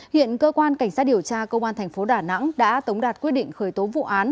hiện cơ quan cảnh sát điều tra công an thành phố đà nẵng đã tống đạt quyết định khởi tố vụ án